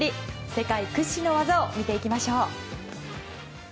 世界屈指の技を見ていきましょう。